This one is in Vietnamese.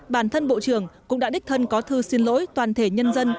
bản thân bộ trưởng cũng đã đích thân có thư xin lỗi toàn thể nhân dân